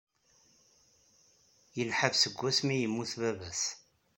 Yenḥaf seg wasmi yemmut baba-s.